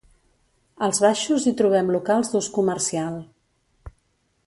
Als baixos hi trobem locals d'ús comercial.